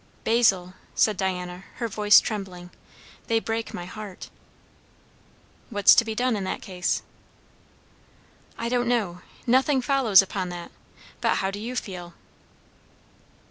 "Basil," said Diana, her voice trembling, "they break my heart!" "What's to be done in that case?" "I don't know. Nothing follows upon that. But how do you feel?"